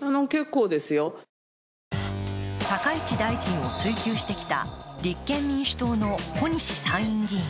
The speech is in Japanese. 高市大臣を追及してきた立憲民主党の小西参院議員。